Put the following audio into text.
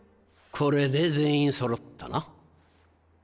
これで全員そろったな。